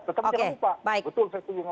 tetap jangan lupa